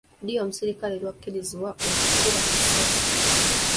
Ddi omuserikale lwakkirizibwa okukuba essasi?